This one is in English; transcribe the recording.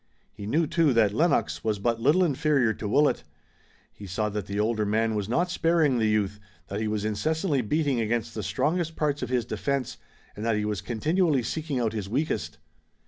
He knew, too, that Lennox was but little inferior to Willet. He saw that the older man was not sparing the youth, that he was incessantly beating against the strongest parts of his defense, and that he was continually seeking out his weakest.